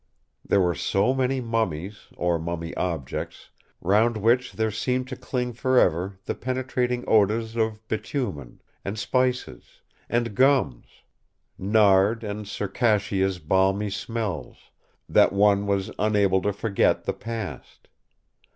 There were so many mummies or mummy objects, round which there seemed to cling for ever the penetrating odours of bitumen, and spices and gums—"Nard and Circassia's balmy smells"—that one was unable to forget the past.